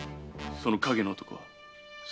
その影の男は？